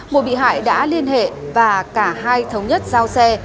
một bị hại đã liên hệ và cả hai thống nhất giao xe